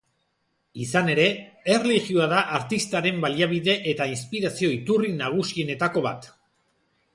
Izan ere, erlijioa da artistaren baliabide eta inspirazio iturri nagusienetako bat.